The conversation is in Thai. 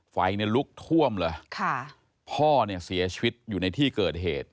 ไฟเนี่ยลุกท่วมเลยค่ะพ่อเนี่ยเสียชีวิตอยู่ในที่เกิดเหตุ